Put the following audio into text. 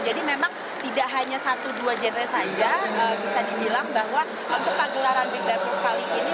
jadi memang tidak hanya satu dua genre saja bisa dibilang bahwa untuk pagelaran big data pukali ini